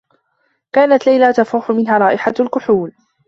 كانت ليلى تفوح منها رائحة الكحول.